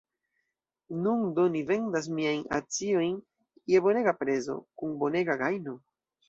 Nun do mi vendas miajn akciojn je bonega prezo, kun bonega gajno.